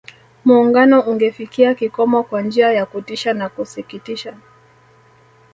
Muungano ungefikia kikomo kwa njia ya kutisha na kusikitisha